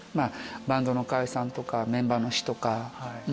バンドの解散とかメンバーの死とか。